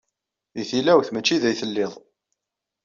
Deg tilawt, maci da ay tellid.